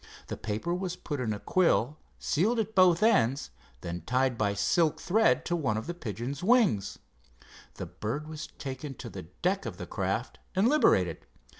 The paper was put in a quill, sealed at both ends, and then tied by silk thread to one of the pigeon's wings. The bird was taken to the deck of the craft and liberated.